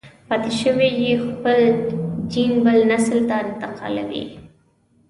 پاتې شوی يې خپل جېن بل نسل ته انتقالوي.